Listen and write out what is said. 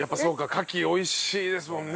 カキ美味しいですもんね。